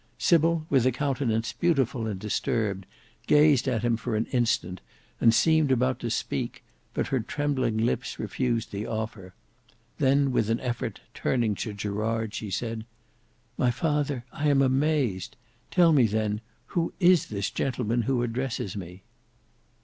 Sybil, with a countenance beautiful and disturbed, gazed at him for an instant, and seemed about to speak, but her trembling lips refused the office; then with an effort, turning to Gerard, she said, "My father, I am amazed; tell me, then, who is this gentleman who addresses me?"